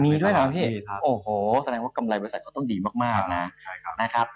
มีด้วยครับพี่โอ้โหแสดงว่ากำไรบริษัทต้องดีมากนะ